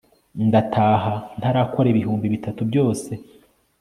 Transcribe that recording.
ndataha ntarakora ibihumbi bitatu byose